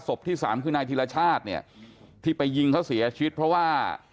ที่สามคือนายธิรชาติเนี่ยที่ไปยิงเขาเสียชีวิตเพราะว่า